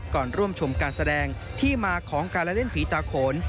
ก่อนร่วมชมการแสดงที่มาของการละเล่นผีตาโขน